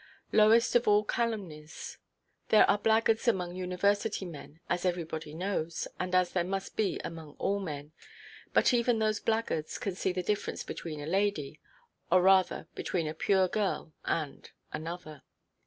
Lowest of all low calumnies. There are blackguards among university men, as everybody knows, and as there must be among all men. But even those blackguards can see the difference between a lady, or rather between a pure girl and—another.